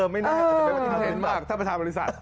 ไม่น่าจะเป็นเมื่อกีธรรมดานกรุ่นมาก